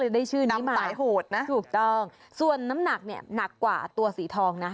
ได้ชื่อนี้สายโหดนะถูกต้องส่วนน้ำหนักเนี่ยหนักกว่าตัวสีทองนะ